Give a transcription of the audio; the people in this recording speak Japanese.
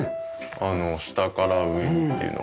下から上にっていうのは。